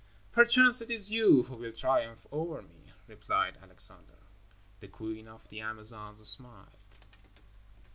"Perchance it is you who will triumph over me," replied Alexander. The queen of the Amazons smiled.